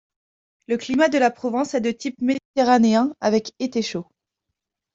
Le climat de la province est de type méditerranéen avec été chaud.